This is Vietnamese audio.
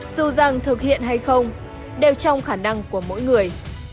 dù rằng thực hiện hay không đều trong khả năng của mỗi người